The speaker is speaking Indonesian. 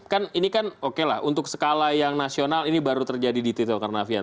kan ini kan oke lah untuk skala yang nasional ini baru terjadi di tito karnavian